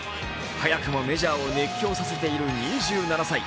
早くもメジャーを熱狂させている２７歳。